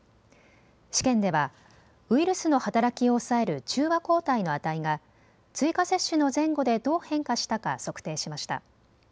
試験ではウイルスの働きを抑える中和抗体の値が追加接種の前後でどう変化したか測定しました。